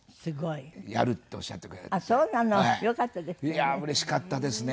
いやあうれしかったですね